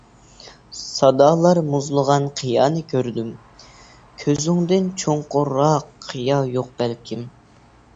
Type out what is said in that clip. سادالار مۇزلىغان قىيانى كۆردۈم، كۆزۈڭدىن چوڭقۇرراق قىيا يوق بەلكىم.